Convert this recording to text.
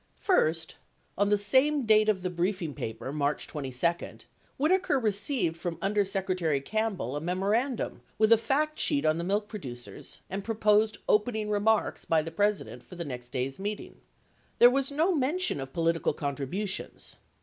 First, on the same date of the briefing paper, March 22, Whitaker received from Under Secretary Campbell a memorandum with a fact sheet on the milk producers and proposed "opening remarks" by the President for the next day's meeting. 87 There was no mention of politi cal contributions.